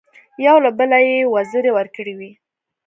یو له بله یې وزرې ورکړې وې.